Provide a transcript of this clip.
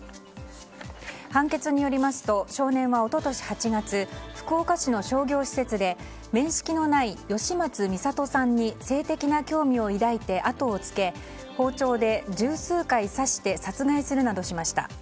判決によりますと少年は一昨年８月福岡市の商業施設で面識のない吉松弥里さんに性的な興味を抱いてあとをつけ、包丁で十数回刺して殺害するなどしました。